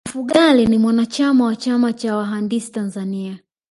mfugale ni mwanachama wa chama cha wahandisi tanzania